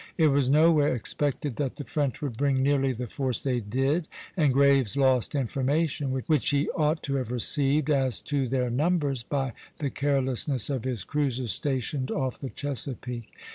It was nowhere expected that the French would bring nearly the force they did; and Graves lost information, which he ought to have received, as to their numbers, by the carelessness of his cruisers stationed off the Chesapeake.